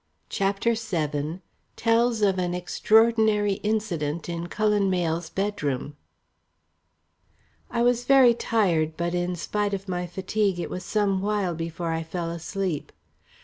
CHAPTER VII TELLS OF AN EXTRAORDINARY INCIDENT IN CULLEN MAYLE'S BEDROOM I was very tired, but in spite of my fatigue it was some while before I fell asleep.